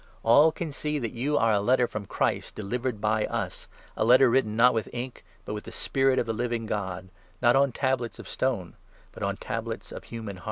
All can 3 see that you are a letter from Christ delivered by us, a letter written, not with ink, but with the Spirit of the Living God, not on ' tablets of stone,' but on ' tablets of human hearts.'